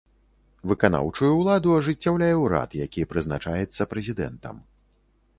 Выканаўчую ўладу ажыццяўляе ўрад, які прызначаецца прэзідэнтам.